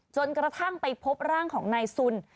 จนกระทั่งไปพบร่างของนายสุน